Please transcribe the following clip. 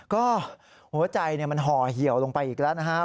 ก็หัวใจมันห่อเหี่ยวลงไปอีกแล้วนะฮะ